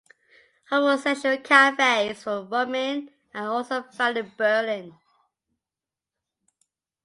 Homosexual cafés for women are also found in Berlin.